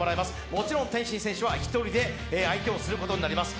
もちろん天心選手は１人で相手をすることになります。